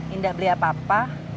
indah beli apa apa